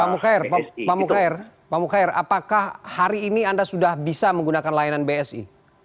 pak mukair pak mukair pak mukhair apakah hari ini anda sudah bisa menggunakan layanan bsi